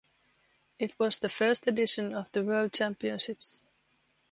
It was the first edition of the world championships.